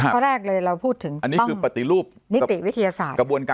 ก็แรกเลยเราพูดถึงต้อง